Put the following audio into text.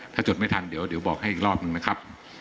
ถ้าจดไม่ทันเดี๋ยวบอกให้อีกรอบหนึ่งนะครับ